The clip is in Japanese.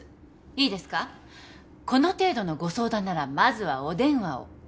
いいですかこの程度のご相談ならまずはお電話を。